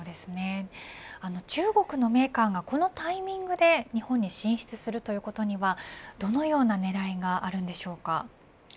中国のメーカーがこのタイミングで日本に進出するということにはどのような狙いがあるんでしょうか。